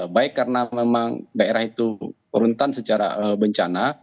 baik karena memang daerah itu rentan secara bencana